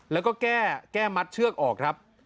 แล้วก็แก้มัดเชือกออกครับ